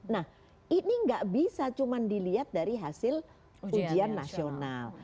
nah ini nggak bisa cuma dilihat dari hasil ujian nasional